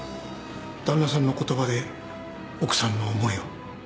旦那さんの言葉で奥さんの思いを。